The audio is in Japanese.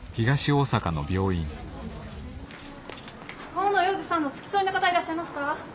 大野洋二さんの付き添いの方いらっしゃいますか？